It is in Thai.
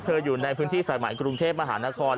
อยู่ในพื้นที่สายใหม่กรุงเทพมหานคร